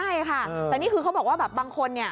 ใช่ค่ะแต่นี่คือเขาบอกว่าแบบบางคนเนี่ย